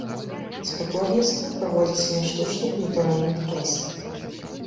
Спаборніцтвы праводзяцца на штучных і натуральных трасах.